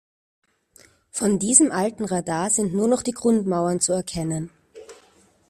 Von diesem alten Radar sind nur noch die Grundmauern zu erkennen.